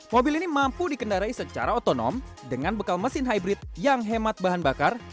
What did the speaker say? mobil ini mampu dikendarai secara otonom dengan bekal mesin hybrid yang hemat bahan bakar